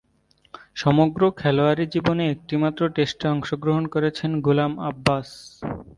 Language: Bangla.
সমগ্র খেলোয়াড়ী জীবনে একটিমাত্র টেস্টে অংশগ্রহণ করেছেন গুলাম আব্বাস।